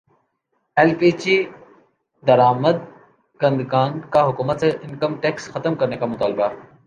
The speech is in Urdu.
ایل پی جی درامد کنندگان کا حکومت سے انکم ٹیکس ختم کرنے کا مطالبہ